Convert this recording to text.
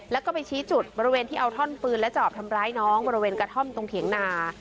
แล้วก็ไปชี้จุดบริเวณที่เอาท่อนปืนและจอบทำร้ายน้องบริเวณกระท่อมตรงเถียงนา